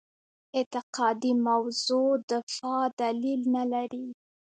اعتقادي موضع دفاع دلیل نه لري.